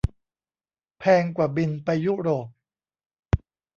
แพงกว่าบิน ไปยุโรป